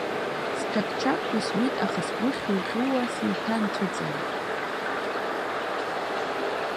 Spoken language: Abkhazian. Сӷьаԥ-чаԥшәа зуит, аха сгәы хьухьууа сеиҭанцәыҵалеит.